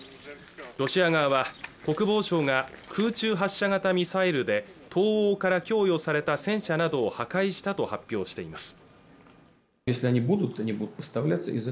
ロシア側は国防省が空中発射型ミサイルで等から強要された戦車などを破壊したと発表しています